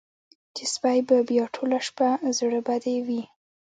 چې سپۍ به بیا ټوله شپه زړه بدې وي.